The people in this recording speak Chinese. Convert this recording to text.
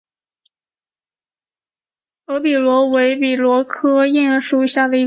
耳笔螺为笔螺科焰笔螺属下的一个种。